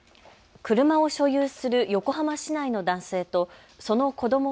車を所有する横浜市内の男性とその子ども